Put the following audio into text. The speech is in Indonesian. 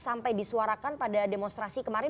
sampai disuarakan pada demonstrasi kemarin